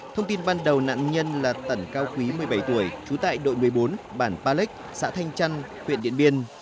thông tin ban đầu nạn nhân là tẩn cao quý một mươi bảy tuổi trú tại đội một mươi bốn bản pa léch xã thanh trăn huyện điện biên